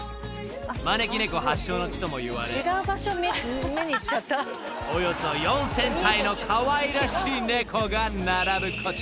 ［招き猫発祥の地ともいわれおよそ４，０００体のかわいらしい猫が並ぶこちら］